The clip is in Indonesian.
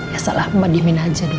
ya salah mama dihimin aja dulu